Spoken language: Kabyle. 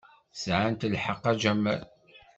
Sɛant lḥeqq, a Jamal.